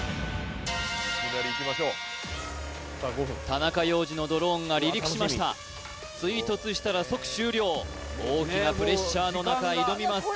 田中要次のドローンが離陸しました追突したら即終了大きなプレッシャーの中挑みます